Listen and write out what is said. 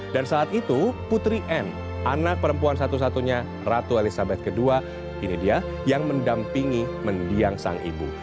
dan saat itu putri anne anak perempuan satu satunya ratu elisabeth ii ini dia yang mendampingi mendiang sang ibu